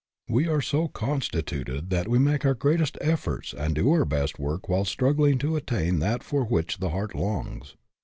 We are so constituted that we make our greatest efforts and do our best work while struggling to attain that for which the heart longs.